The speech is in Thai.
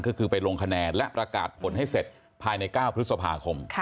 ก็คือไปลงคะแนนและประกาศผลให้เสร็จภายใน๙พฤษภาคม